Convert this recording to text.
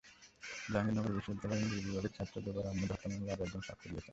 জাহাঙ্গীরনগর বিশ্ববিদ্যালয়ের ইংরেজি বিভাগের ছাত্র জুবায়ের আহমেদ হত্যা মামলায় আরও একজন সাক্ষ্য দিয়েছেন।